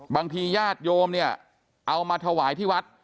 ญาติโยมเนี่ยเอามาถวายที่วัด